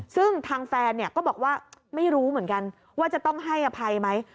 ซึ่งทางแฟนก็บอกว่าไม่รู้เหมือนกันว่าจะต้องให้อภัยไหม